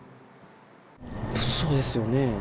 物騒ですよね。